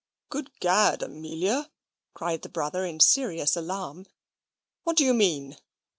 "Good Gad! Amelia," cried the brother, in serious alarm, "what do you mean?"